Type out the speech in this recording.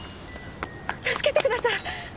助けてください。